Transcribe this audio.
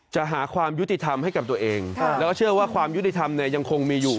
จะหาความยุติธรรมให้กับตัวเองแล้วก็เชื่อว่าความยุติธรรมเนี่ยยังคงมีอยู่